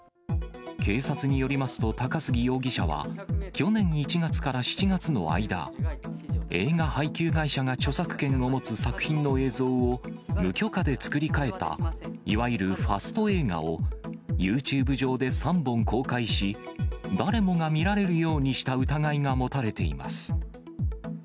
警察によりますと、高杉容疑者は、去年１月から７月の間、映画配給会社が著作権を持つ作品の映像を無許可で作り替えた、いわゆるファスト映画を、ユーチューブ上で３本公開し、誰もが見られるようにした疑いが持たれています。